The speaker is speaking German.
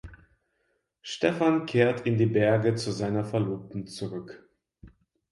Stephan kehrt in die Berge zu seiner Verlobten zurück.